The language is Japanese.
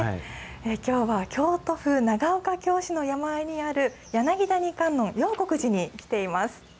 きょうは京都府長岡京市の山あいにある柳谷観音、楊谷寺に来ています。